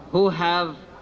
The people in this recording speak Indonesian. yang telah memberikan kita